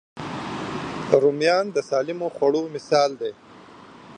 رومیان د سالم خوړو مثال دی